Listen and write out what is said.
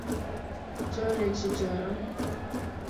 Carek ji caran